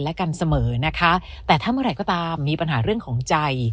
และกันเสมอนะคะแต่ถ้าเมื่อไหร่ก็ตามมีปัญหาเรื่องของใจ